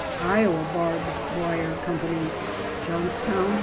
Iowa Barb Wire Co., Johnstown, Pa.